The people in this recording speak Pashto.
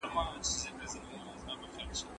دا مرکبات د بدن بوی خرابوي.